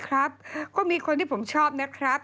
ครับก็มีคนที่ผมชอบนะครับ